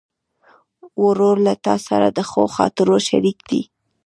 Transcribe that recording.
ورور له تا سره د ښو خاطرو شریک دی.